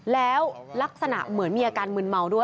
แล้วลักษณะเหมือนมีอาการมืนเมาด้วย